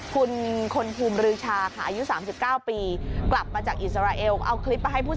คุณคนภูมิฤชาค่ะ